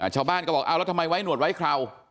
ชาวบ้านก็บอกเอาแล้วทำไมไว้หนวดไว้เครา